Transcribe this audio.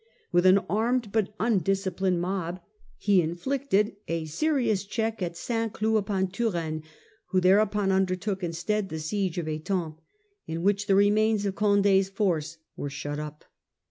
With an armed but undisciplined mob he inflicted a serious check at St. Cloud upon Turenne, who thereupon undertook instead the siege of Etampes, in which the remains of Condd's force were shut up.